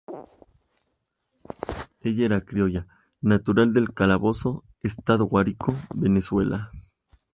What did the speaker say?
Ella era criolla natural de Calabozo, Estado Guárico, Venezuela.